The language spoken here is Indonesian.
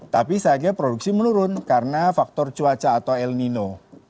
tapi saya kira produksi menurun karena faktor cuaca atau el nino